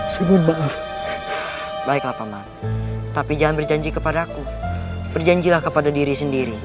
semua baiklah paman tapi jangan berjanji kepada aku berjanjilah kepada diri sendiri